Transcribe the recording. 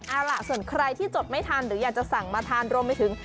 เอาล่ะส่วนใครที่จดไม่ทันหรืออยากจะสั่งมาทานรวมไปถึง